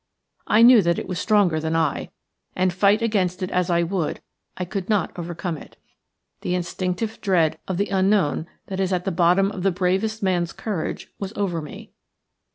I knew that it was stronger than I, and, fight against it as I would, I could not overcome it. The instinctive dread of the unknown that is at the bottom of the bravest man's courage was over me.